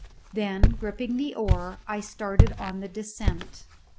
Then gripping the oar I started on the descent.